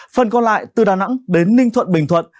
phần còn lại từ đà nẵng đến ninh thuận bình thuận